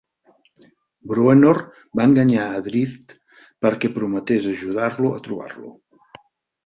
Bruenor va enganyar a Drizzt perquè prometés ajudar-lo a trobar-lo.